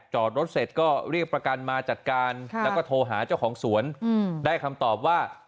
จอดรถเสร็จก็เรียกประกันมาจัดการแล้วก็โทรหาเจ้าของสวนได้คำตอบว่า